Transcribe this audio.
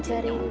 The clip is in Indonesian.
jari ini buang